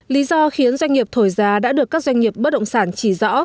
lý do khiến doanh nghiệp thổi giá đã được các doanh nghiệp bất động sản chỉ rõ